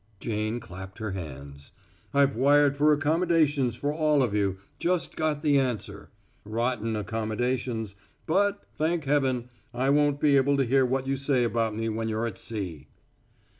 Jane clapped her hands. "I've wired for accommodations for all of you just got the answer. Rotten accommodations, but thank Heaven I won't be able to hear what you say about me when you're at sea."